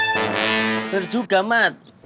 bener juga mat